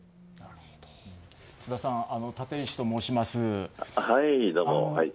津田さん、立石と申します。